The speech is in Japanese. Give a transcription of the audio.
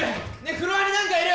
フロアに何かいる！